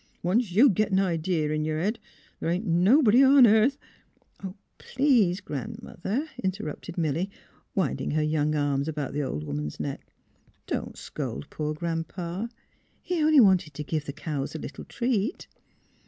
'* Once you git an idee in yer head the' can't nobody on airth "'* Please, Gran 'mother," interrupted Milly, winding her young arms about the old woman's neck, " don't scold poor Gran 'pa. He only wanted to give the cows a little treat."